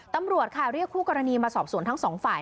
ตำรวจค่ะเรียกคู่กรณีมาสอบสวนทั้งสองฝ่าย